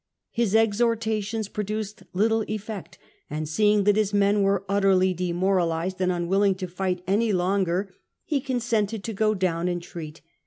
His exhortations produced little effect, and seeing that his men were utterly demoralised and unwill ing to fight any longer, he consented to go down and treat.